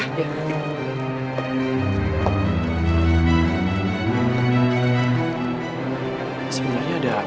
sebenernya ada apa sih